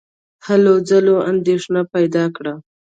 هلو ځلو اندېښنه پیدا کړه.